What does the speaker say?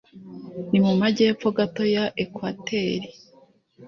ni mu majyepfo gato ya ekwateri.